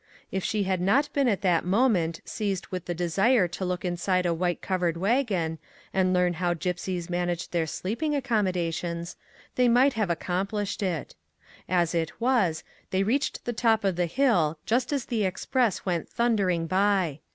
If she had not been at that moment seized with the desire to look inside a white covered wagon, and learn how gypsies managed their sleeping accommodations, they might have ac complished it. As it was, they reached the top of the hill just as the express went thundering by.